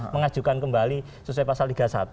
mengajukan kembali sesuai pasal tiga puluh satu